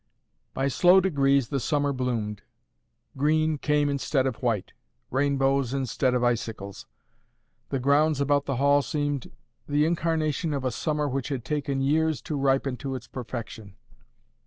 By slow degrees the summer bloomed. Green came instead of white; rainbows instead of icicles. The grounds about the Hall seemed the incarnation of a summer which had taken years to ripen to its perfection.